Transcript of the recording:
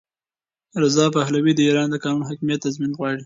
رضا پهلوي د ایران د قانون حاکمیت تضمین غواړي.